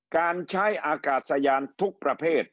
การใช้อากาศยานทุกประเภท